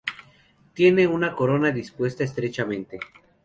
Tiene una corona dispuesta estrechamente.